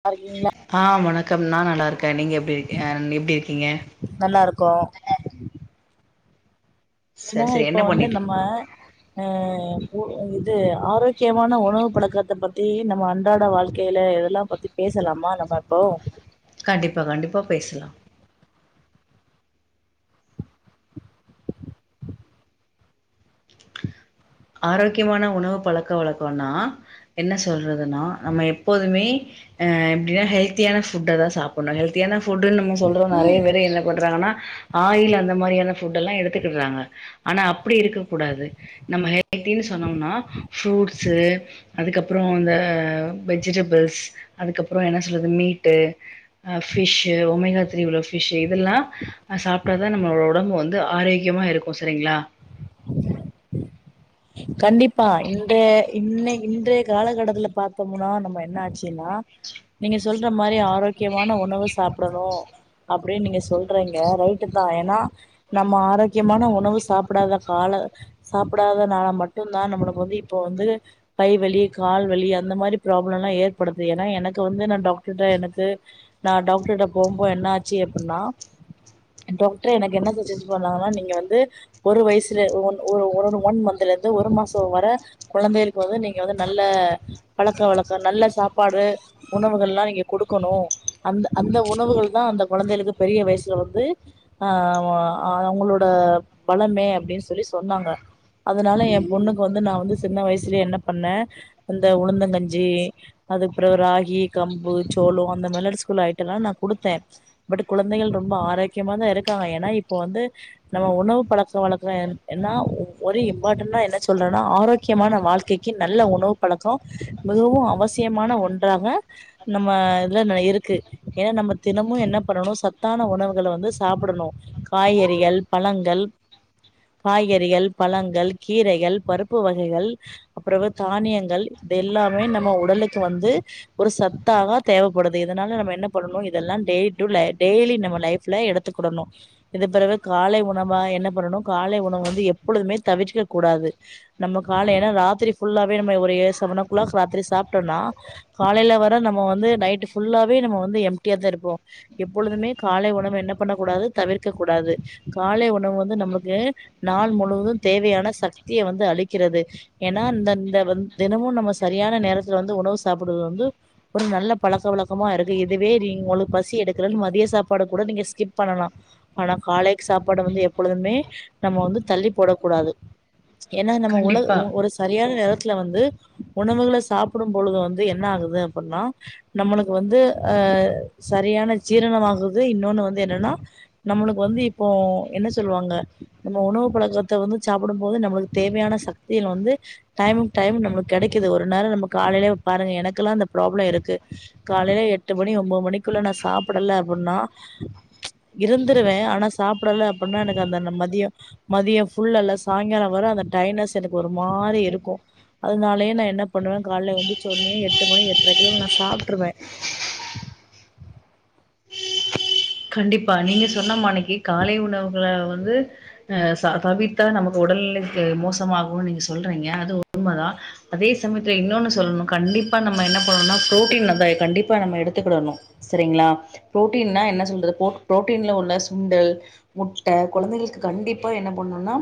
ல்லா இருக்கீங்களா க்கம் நா நல்லாருக் க நீங்க எப்டி இருக் ஆ எப்டி இருக்கீங்க நல்லா இருக்கோ நா சரி சரி இப்ப என்ன வந்து பண்ணிட்டு நம்ம ஆ ஒ இது ஆரோக்கியமான உணவு பழக்கத்த பத்தி நம்ம அன்றாட வாழ்க்கையில எதெல்லா பத்தி பேசலாமா நம்ம இப்போ கண்டிப்பா கண்டிப்பா பேசலா ஆரோக்கியமான உணவு பழக்க வழக்கம்னா என்ன சொல்றதுன்னா நம்ம எப்போதுமே அ எப்டின்னா ஹெல்த்தியான ஃபுட்ட தா சாப்புட்ணு ஹெல்தியான ஃபுட்டுன்னும்போத் சொல்றோ நெறைய பேரு என்ன பண்றாங்கன்னா ஆயில் அந்த மாதிரியான ஃபுட்டெல்லா எடுத்துக்கிட்றாங்க ஆனா அப்டி இருக்கக் கூடாது நம்ம ஹெல் த்தின்னு சொன்னோம்னா ஃப்ரூட்ஸ்ஸு அதுக்கப்பற அந்த வெஜிடபிள்ஸ் அதுக்கப்பற என்ன சொல்றது மீட்டு அ ஃபிஷ்ஷு ஒமேகா த்ரீ உள்ள ஃபிஷ் இதெல்லா அ சாப்ட்டாதா நம்மளோட ஒடம்பு வந்து ஆரோக்கியமாயிருக்கு சரிங்களா கண்டிப்பா இந்த இன்ன இன்றைய காலகட்டத்துல பாத்தோமுனா நம்ம என்னாச்சுன்னா நீங்க சொல்ற மாரி ஆரோக்கியமான உணவு சாப்டணு அப்டின்னு நீங்க சொல்றீங்க ரைட்டு தா ஏன்னா நம்ம ஆரோக்கியமான உணவு சாப்டாத கால சாப்டாதனால மட் ட்டுதா நம்முளுக்கு வந்து இப்போ வந்து கை வலி கால் வலி அந்த மாரி ப்ராப்ளம்லா ஏற்படுது ஏன்னா எனக்கு வந்து நா டக்டர்ட்ட எனக்கு நா டாக்டர்ட்ட போம்போ என்னாச்சு அப்டின்னா டாக்டரே எனக்கு என்ன சஜஸ்ட் பண்ணாங்கன்னா நீங்க வந்து ஒரு வயசுல ஒ [unintelligible] ஒன் மந்தலருந் து ஒரு மாச வர கொழந்தையளுக்கு வந்து நீங்க வந்து நல்ல பழக்கக்க நல்ல சாப்பாடு உணவுகள்லா நீங்க கொடுக்கணு அந்த உணவுகள் தா அந்த கொழந்தைகளுக்கு பெரிய வயசுல வந்து ஆ வ ஆ அவங்களோட பலமே அப்டின்னு சொல்லி சொன்னாங்க அத னால ஏ பொண்ணுக்கு வந்து நா வந்து சின்ன வயசுலயே என்ன பண்ணே அந்த உளுந்தங்கஞ்சி அதுக்கப்றோ ராகி கம்பு சோளம் அந்தமாரி மில்லட்ஸ்க்குள்ள ஐட்டலா நா குடுத்தே பட் குழந்தைகள் ரொம்ப ஆரோக்கியமா தா இருக்காங்க ஏன்னா இப்போ வந்து நம்ம உணவு பழக்க வழக்க எ என்னா ஒரு வாட்டுன்னா என்ன சொல்றன்னா ஆரோக்கியமான வாழ்க்கைக்கு நல்ல உணவு பழக்க மிகவு அவசியமான ஒன்றாக நம்ம இதுல இருக்கு ஏன்னா நம்ம தினமு என்ன பண்ணணு சத்தான உணவுகள வந்து சாப்படணு காய்கறிகள் பழங்கள் காய்கறிகள் பழங்கள் கீரைகள் பருப்பு வகைகள் அப்ற வந் தானியங்கள் இதெல்லாமே நம்ம உடலுக்கு வந்து ஒரு சத்தாக தேவப்படுது இதனால நம்ம என்ன பண்ணணு இதெல்லா டெ டு ல டெய்லி நம்ம லைஃப்ல எடுத்துக்குடணு இது பிறவு காலை உணவா என்ன பண்ணணு காலை உணவு வந்து எப்பொழுதுமே தவிர்க்க கூடாது நம்ம காலைல ராத்திரி ஃபுல்லாவே நம்ம ஒரு ஏ செவன் ஓ க்ளாக் ராத்திரி சாப்ட்டோன்னா காலைல வர நம்ம வந்து நைட் ஃபுல்லாவே நம்ம வந்து எம்ட்டியா தா இருப்போ எப்பொழுதுமே காலை உணவு என்ன பண்ணக்கூடாது தவிர்க்க கூடாது காலை உணவு வந்து நம்ளுக்கு நாள் முழுவது தேவையான ச சக்திய வந்து அழிக்கிறது ஏன்னா இந்த இந்த வந் தினமு நம்ம சரியான நேரத்துல வந்து உணவு சாப்டுறது வந்து ஒரு நல்ல பழக்க வழக்கமா இருக்கு இதுவே நீ உங்களுக்கு பசி எடுக்கலன்னு மதிய சாப்பாடுக்கூட நீங்க ஸ்கிப் பண்ணலா ஆனா காலைக்கு சாப்பாடு வந்து எப்பொழுதுமே நம்ம வந்து தள்ளி போடக் கூடாது ஏன்னா நம்ம உலக் கண்டிப்பா. ஒ ஒரு சரியான நேர த்துல வந்து உணவுகள சாப்புடு பொழுது வந்து என்ன ஆகுது அப்ட்ன்னா நம்மளுக்கு வந்து ஆ சரியான ஜீரணமாகுறது இன்னொன்னு வந்து என்னன்னா நம்மளுக்கு வந்து இப்போ என்ன சொல்லுவாங்க நம்ம உணவு பழக்கத்த வந்து சாப்பிடு போது நம்முளுக்கு தேவையான சக்திகள் வந்து டைமுக்கு டைம் கெடைக்குது ஒரு நேர நம்ம காலையிலயே பாருங்க எனக்கெல்லா அந்த ப்ராப்ளம் இருக்கு காலையில எட்டு மணி ஒம்போது மணிக்குள்ள நா சாப்படல அப்புட்ன்னா இருந்துருவே ஆனா சாப்புடல அப்புட்ன்னா எனக்கு அந்த மதிய மதிய ஃபுல்லால சாய்ங்கால வர அந்த டைட்னஸ் எனக்கு ஒரு மாரியிருக்கு அதனாலயே நா என்ன பண்ணுவே காலைல எந்திச்சோன்னே எட்டு மணி எட்ரைக்கெல்லா நா சாப்ட்ருவே கண்டிப்பா நீங்க சொன்ன மாணிக் கு காலை உணவுகள வ ந்து அ சாபவிதா நமக்கு உடல்லுக்கு மோசமாகும்னு நீங்க சொல்றீங்க அது உண்மதா அதே சமயத்துல இன்னோன்னு சொல்லணும் கண்டிப்பா நம்ம என்ன பண்ணுனா ப்ரோட்டீன் வந்து கண்டிப்பா நம்ம எடுத்துக்கடனோ சரீங்களா ப்ரோட்டீன்னா என்ன சொல் த ப்ரோ ப்ரோட்டின்ல உள்ள சுண்டல் முட்ட கொழந்தைகளுக்கு கண்டிப்பா என்ன பண்ணணோனா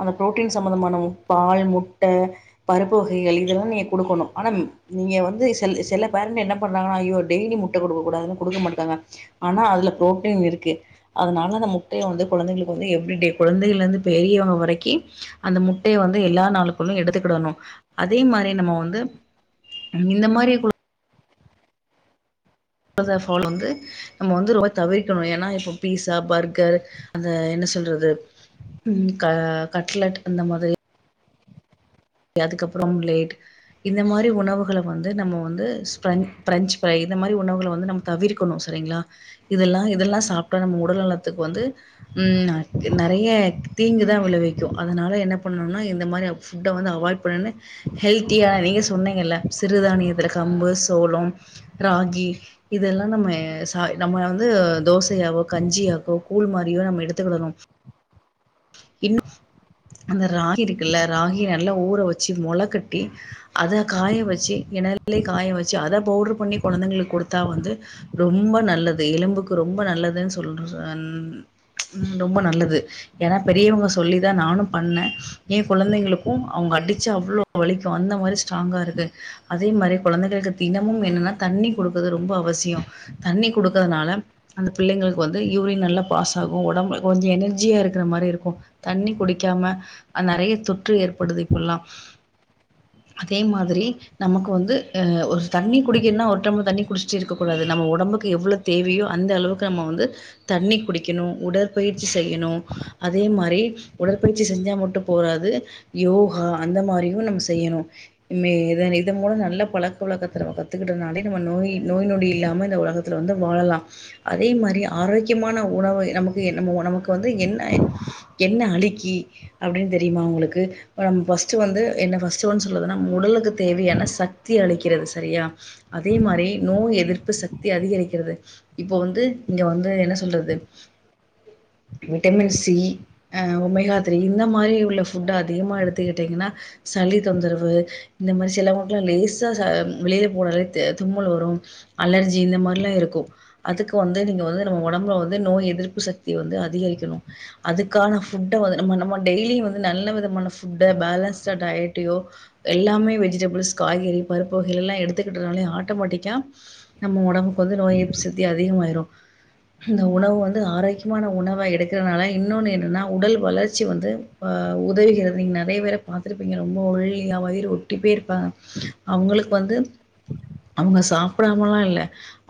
அந்த ப்ரோட்டீன் சம்பந்தமான பால் முட்ட பருப்பு வகைகள் இதெல்லா நீ குடுக்கணோ ஆனா ம் நீங்க வந்து சில் சில பேரண்ட் என்ன பண்றாங்கனா ஐயோ டெய்லி முட்ட குடுக்க கூடாது குடுக்க மாட்டுக்காங்க ஆனா அதுல ப்ரோட்டீன் இருக்கு அதனால அந்த முட்டய வந்து கொழந்தைகளுக்கு வந்து எவ்ரி டே கொழந்தைகள்ல இருந்து பெரியவங்க வரைக்கி அந்த முட்டைய வந்து எல்லா நாளுக்குள்ளும் எடுத்துக்கிடணோ அதே மாரி நம்ம வந்து இந்த மாரி கொ ழந்த ஃபாலோ வந்து நம்ம வந்து ரொம்ப தவிர்க்கணோ ஏன்னா இப்ப பீஸா பர்கர் அந்த என்ன சொல்றது ம் க கட்லெட் அந்த மாதிரி அதுக்கப்புறம் லேட் இந்த மாரி உணவுகள வந்து நம்ம வந்து ஸ்ப்ர பிரெஞ்ச் ஃரை இந்த மாரி உணவுகள வந்து நம்ம தவிர்க்கணோ சரிங்களா இதெல்லா இதெல்லா சாப்ட்டா நம்ம உடல் நலத்துக்கு வந்து ம் நறைய தீங்குதா விளைவிக்கோ அதனால என்ன பண்ணும்னா இந்த மாரி ஃபு ட்ட வந்து அவாய்ட் பண்ணிணு ஹெல்த்தியா நீங்க சொன்னீங்கல்ல சிறுதானியத்துல கம்பு சோளம் ராகி இதெல்லா நம்ம சா நம்ம வந்து தோசையாவோ கஞ்சியாகோ கூழ் மாரியோ நம்ம எடுத்துக்கிடணோ இன்னு அந்த ராகி இருக்குல்ல ராகி நல்லா ஊற வச்சு மொள கட்டி அத காய வச்சு எனெல்லே காய வச்சு அத பவுடர் பண்ணி கொழந்தைங்களுக்கு கொடுத்தா வந்து ரொம்ப நல்லது எலும்புக்கு ரொம்ப நல்லதுன்னு சொல்றா அன் ரொம்ப நல்லது ஏன்னா பெரியவங்க சொல்லி தா நானோ பண்ண ஏன் கொழந்தைங்களுக்கு அவுங்க அடிச்சா அவ்ளோ வலிக்கோ அந்த மாரி ஸ்ட்ராங்கா இருக்கு அதே மாரி கொழந்தைங்களுக்கு தினமும் என்னன்னா தண்ணீ கொடுக்குது ரொம்ப அவசியோ தண்ணி குடுக்கறதுனால அந்த பிள்ளைங்களுக்கு வந்து யூரின் நல்லா பாஸ் ஆகோ ஒடம்பு கொஞ்சோ எனர்ஜியா இருக்குற மாரி இருக் தண்ணி குடிக்காம அ நறைய தொற்று ஏற்படுது இப்பலா அதே மாதிரி நமக்கு வந்து அ ஒரு தண்ணி குடிக்குன்னா ஒரு டம்ளர் தண்ணி குடிச்சுட்டு இருக்கக் கூடாது நம்ம ஓடம்புக்கு எவ்ளோ தேவையோ அந்த அளவுக்கு நம்ம வந்து தண்ணி குடிக்கணு உடற்பயிற்சி செய்யணு அதே மாரி உடற்பயிற்சி செஞ்சா மட்டும் போதாது யோகா அந்த மாரியும் நம்ம செய்யுணோ இம இத இதன் மூலம் நல்ல பழக்க வழக்கத்துல நம்ம கத்துக்கிட்டனாலே நம்ம நோய் நோய் நொடி இல்லாம இந்த ஒலகத்துல வந்து வாழலா அதே மாரி ஆரோக்கியமான உணவை நமக்கு நம்ம நமக்கு வந்து என்ன என்ன அளிக்கி அப்டீன்னு தெரியுமா உங்களுக்கு இப் நம் ஃபர்ஸ்ட் வந்து என்ன ஃபர்ஸ்ட் வ சொல்றதுன்னா உடலுக்கு தேவையான சக்தி அளிக்கிறது சரியா அதே மாரி நோய் எதிர்ப்பு சக்தி அதிகரிக்கிறது இப்போ வந்து இங்க வந்து என்ன சொல்றது விட்டமின்ஸ் சி அ ஒமேகா த்ரீ இந்த மாரி உள்ள புட் அதிகமா எடுத்துக்கிட்டீங்கன்னா சளி தொந்தரவு இந்த மாரி சிலவங்களுக்குலா லேசா ச ம் வெளியே போனாலே தும்மல் வரோ அலர்ஜி இந்த மாரிலா இருக்கோ அதுக்கு வந்து நீங்க வந்து நம்ம ஒடம்புல வந்து நோய் எதிர்ப்பு சக்தி வந்து அதிகரிக்கணும் அதுக்கான ஃபுட்ட வந்து நம்ம நம்ம டெய்லியும் வந்து நல்ல விதமான ஃபுட்ட பேலன்ஸ டயட்டையோ எல்லாமே வெஜிடபிள்ஸ் காய்கறி பருப்பு வகைகள்லா எடுத்துக்கிட்டதுனாலே ஆட்டோமேட்டிக்கா நம்ம ஒடம்புக்கு வந்து நோய் எதிர்ப்புச் சத்தி அதிகமாயிரோ இந்த உணவு வந்து ஆரோக்கியமான உணவ எடுக்கறனால இன் இன்னோனு என்னன்னா உடல் வளர்ச்சி வந்து அ உதவுகிறது நீங்க நறைய பேர பாத்துருப்பீங்க ரொம்ப ஒல்லியா வயிறு ஒட்டி போய் இருப்பாங்க அவுங்களுக்கு வந்து அவுங்க சாப்டாமல்லா இல்ல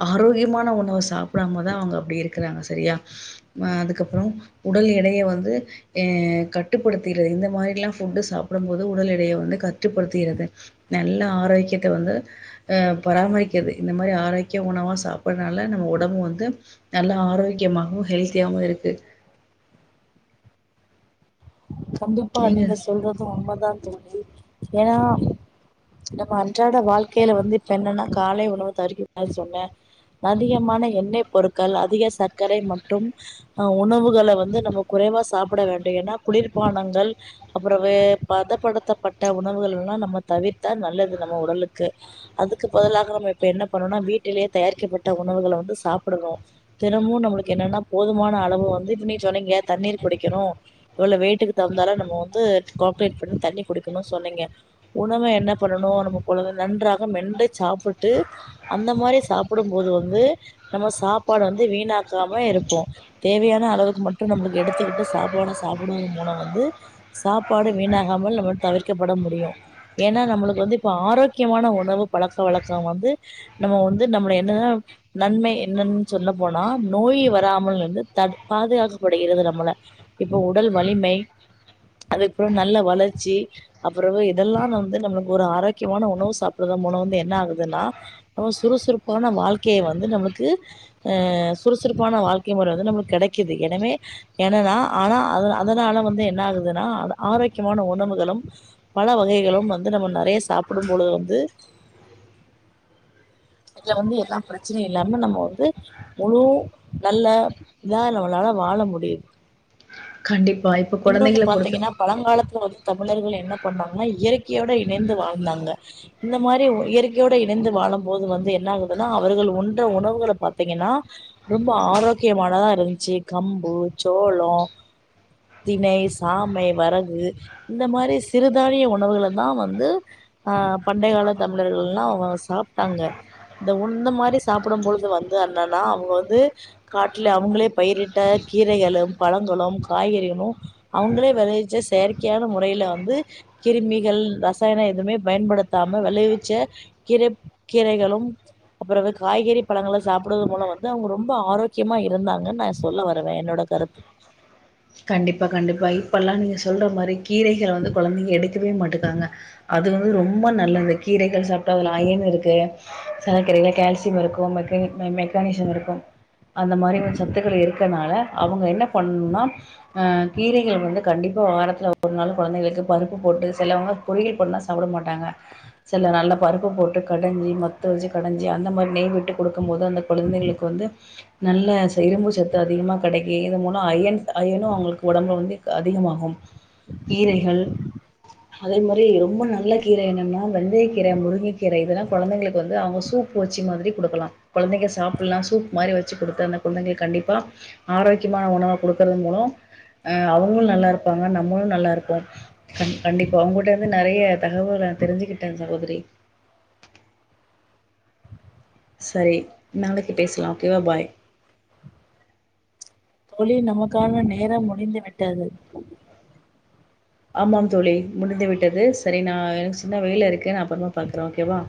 ஆரோக்கியமான உணவ சாப்பிடாமதான் அவுங்க அப்டி இருக்குறாங்க சரியா அ அதுக்கப்றோ உடல் எடைய வந்து எ கட்டுப்படுத்திறே இந்த மாதிரிலா ஃபுட்டு சாப்டும் போது உடல் எடைய வந்து கட்டுப்படுத்திறதே நல்லா ஆரோக்கியத்த வந்து அ பராமரிக்கிறது இந்த மாரி ஆரோக்கிய உணவா சாப்டுறதுனால நம்ம உடம்பு வந்து நல்ல ஆரோக்கியமாகவும் ஹெல்த்தியாவு இருக்கு கண்டிப்பா நீங்க சொல்றதும் உண்மதான் தோழி ஏன்னா நம்ம அ ன்றாட வாழ்க்கைல வந்து இப்ப என்னன்னா காலை உணவு தருகிற சொன்னன் அதிகமான எண்ணெய் பொருட்கள் அதிக சர்க்கரை மற்றும் அ உணவுகள வந்து நம்ம குறைவா சாப்பிட வேண்டும் ஏன்னா குளிர் பானங்கள் அப்பறம் பதப்படுத்தப்பட்ட உணவுகள் எல்லாம் நம்ம தவிர்த்தா நல்லது நம்ம உடலுக்கு அதுக்கு பதிலாக நம்ம இப்ப என்ன பண்ணோனா வீட்டிலேயே தயாரிக்கப்பட்ட உணவுகள வந்து சாப்படணோ தினமும் நம்மளுக்கு என்னன்னா போதுமான அளவு வந்து இப்ப நீங்க சொன்னீங்கலையா தண்ணீர் குடிக்கணும் இவ்ளோ வெய் ட்டுக்கு தகுந்தால நம்ம வந்து கோப்ரேட் பண்ணி தண்ணி குடிக்கணும்னு சொன்னீங்க உணவு என்ன பண்ணணோ நம்ம குழந்த நன்றாக மென்று சாப்பிட்டு அந்த மாரி சாப்பிடும் போது வந்து நம்ம சாப்பாடு வந்து வீணாக்காம இருப்போம் தேவையான அளவுக்கு மட்டும் நம்மளுக்கு எடுத்துக்கிட்டு சாப்பாட சாப்பிடு வ சாப்பாடு வீணாகாமல் நம்ம தவிர்க்கப்பட முடியும் ஏன்னா நம்மளுக்கு வந்து இப்ப ஆரோக்கியமான உணவு பழக்க வழக்கம் வந்து நம்ம வந்து நம்ம என்ன நன்மை என்னன்னு சொல்லப்போனா நோய் வராமல் இருந்து பாதுகாக்கப்படுகிறது நம்மள இப்ப உடல் வலிமை அதுக்கப்புறோ நல்ல வளர்ச்சி அப்புற இதெல்லாம் வந்து நம்மளுக்கு ஒரு ஆரோக்கியமான உணவு சாப்பிடற உணவு வந்து என்ன ஆகுதுன்னா சுறுசுறுப்பான வாழ்க்கையை வந்து நம்மளுக்கு சுறுசுறுப்பான வாழ்க்கை முறை வந்து ந கிடைக்குது எனவே என்னன்னா ஆனா அ அதனால வந்து என்ன ஆகுதுன்னா ஆரோக்கியமான உணவுகளும் பழ வகைகளும் வந்து நம்ம நறைய சாப்பிடும் பொழுது வந்து இதுல வந்து எல்லாம் பிரச்சனையும் இல்லாம நம்ம வந்து முழு நல்ல இதா நம்மளால வாழ முடியுது கண்டிப்பா இப்ப இன்னொன்னு குழந்தைங்கள பொறுத்து பாத்தீங்கன்னா பழங்காலத்துல வந்து தமிழர்கள் என்ன பண்ணாங்கன்னா இயற்கையோட இணைந்து வாழ்ந்தாங்க இந்த மாதிரி இயற்கையோட இணைந்து வாழும் போது வந்து என்ன ஆகுதுன்னா அவர்கள் உன்ற உணவுகளை பாத்தீங்கன்னா ரொம்ப ஆரோக்கியமானதான் இருந்துச்சு கம்பு சோளோ திணை சாமை வரகு இந்த மாதிரி சிறுதானிய உணவுகள தான் வந்து ஆஹ் பண்டைய கால தமிழர்கள் எல்லாம் சாப்பட்டாங்க இந்த உ இந்த மாதிரி சாப்பிடும் பொழுது வந்து என்னன்னா அவுங்க வந்து காட்டுல அவங்களே பயிரிட்ட கீரைகளும் பழங்களும் காய்கறிகளும் அவங்களே விளைவிச்ச செயற்கையான முறையில வந்து கிருமிகள் ரசாயனம் எதுவுமே பயன்படுத்தாம விளைவிச்ச கீரை கீரைகளும் அப்புற ந்து காய்கறி பழங்கள சாப்டுவது மூலம் வந்து அவுங்க ரொம்ப ஆரோக்கியமா இருந்தாங்கன்னு நான் சொல்ல வருவேன் என்னோட கருத்து கண்டிப்பா கண்டிப்பா இப்ப எல்லாம் நீங்க சொல்ற மாரி கீரைகளை வந்து கொழந்தைங்க எடுக்கவே மாட்டுக்காங்க அது வந்து ரொம்ப நல்லது கீரைகள் சாப்பிட்டா அதில் அயர்ன் இருக்கு சிலக்கீரைகள் கோல்சியம் இருக்கும் மெக்க மெக்கானிஷியம் இருக்கும் அந்த மாதிரி சத்துக்கள் இருக்கனால அவங்க என்ன பண்ணுணா ஹகீரைகள் வந்து கண்டிப்பா வாரத்ல் ஒரு நாள் கொழந்தைளுக்கு பருப்பு போட்டு சலவங்க பொரியல் பண்ணா சாப்ட மாட்டாங்க ச நல்ல பருப்பு போட்டு கடஞ்சு மத்த வெச்சி கடஞ்சு அந்த மாரி நெய் விட்டு க்கும் போது அந்த குழந்தைகளுக்கு வந்து நல்ல இரும்பு சத்து அதிகமா கெடைக்கு இது மூலோ அயன் அயனோ அவுங்குளுக்கு ஒடம்புல வந்து அதிகமாகும் கீரைகள் அதே மாரி ரொம்ப நல்ல கீரை என்னன்னா வெந்தயக்கீரை முருங்கை கீரை இதெல்லா கொழந்தைங்களுக்கு வந்து அவுங்க சூப்பு வெச்சு மாரி குடுக்கலா கொழந்தைங்க சாப்பிடலா சூப் மாரி வச்சு கொடுத்த அந்த கொழந்தைக்கு கண்டிப்பா ஆரோக்கியமான உணவு கொடுக்கறது மூலம் அ அவுங்களு நல்லா இருப்பாங்க நம்முளு நல்லா இருப்போ கண்டிப்பா அவுங்கிட்ட இருந்து நறைய தகவல தெரிஞ்சுக்கிட்டேன் சகோதரி சரி நாளைக்கு பேசலா ஓகேவா பாய் தோழி நமக்கான நேரம் முடிந்துவிட்டது ஆமாம் தோழி முடிந்து விட்டது சரி நா எனக்கு சின்ன வெல இருக்கே நா அப்றமா பாக்குற ஓகேவா